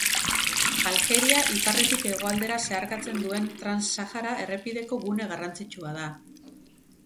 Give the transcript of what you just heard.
Aljeria iparretik hegoaldera zeharkatzen duen Trans-Sahara errepideko gune garrantzitsua da.